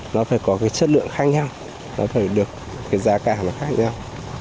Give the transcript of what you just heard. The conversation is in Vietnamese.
nó phải có chất lượng khác nhau nó phải được giá cả khác nhau